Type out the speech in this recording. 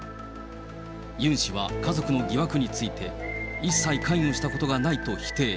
ユン氏は家族の疑惑について、一切関与したことがないと否定。